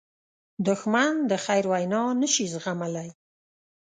دښمن د خیر وینا نه شي زغملی